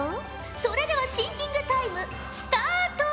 それではシンキングタイムスタート！